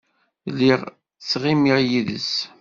Lliɣ ttɣimiɣ yid-s.